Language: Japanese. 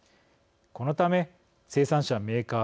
このため生産者、メーカー